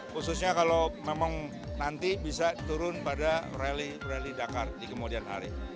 khususnya kalau memang nanti bisa turun pada rally dakar